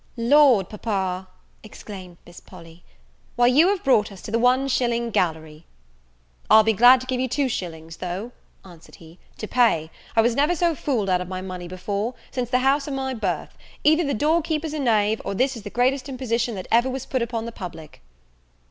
"Lord, papa," exclaimed Miss Polly, "why, you have brought us to the one shilling gallery!" "I'll be glad to give you two shillings, though," answered he, "to pay. I was never so fooled out of my money before, since the house of my birth. Either the door keeper's a knave, or this is the greatest imposition that ever was put upon the public."